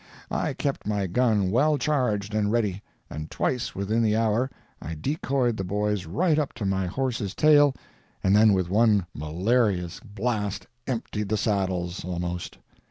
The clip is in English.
I kept my gun well charged and ready, and twice within the hour I decoyed the boys right up to my horse's tail, and then with one malarious blast emptied the saddles, almost.